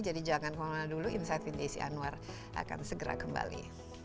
jadi jangan kemana mana dulu insight vintage anwar akan segera kembali